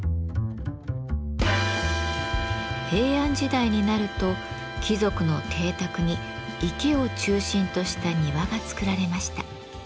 平安時代になると貴族の邸宅に池を中心とした庭が作られました。